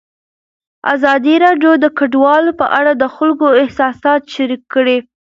ازادي راډیو د کډوال په اړه د خلکو احساسات شریک کړي.